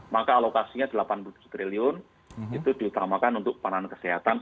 maka alokasinya rp delapan puluh tujuh triliun itu diutamakan untuk penanganan kesehatan